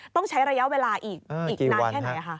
ต้องใช้ระยะเวลาอีกนานแค่ไหนคะ